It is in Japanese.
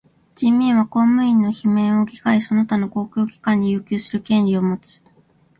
人民は公務員の罷免を議会その他の公共機関に要求する権利をもつ。